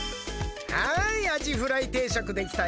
はいアジフライ定食できたよ。